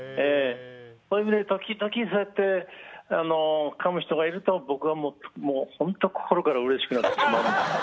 それで時々そうやってかむ人がいると僕はもう本当に心からうれしくなってしまうんです。